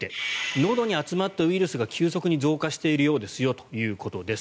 のどに集まったウイルスが急速に増加しているようですよということです。